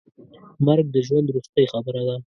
مرګ د ژوند وروستۍ خبره ده.